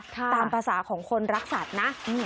ตามภาษาของคนรักสัตว์นะ